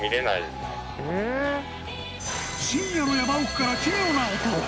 深夜の山奥から奇妙な音。